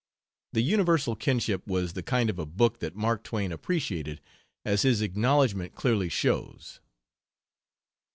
The Universal Kinship was the kind of a book that Mark Twain appreciated, as his acknowledgment clearly shows.